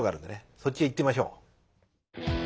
そっちへ行ってみましょう。